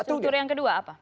struktur yang kedua apa